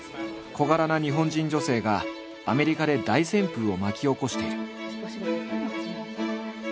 小柄な日本人女性がアメリカで大旋風を巻き起こしている。